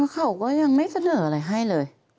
เขาก็ยังไม่เสนออะไรให้เลย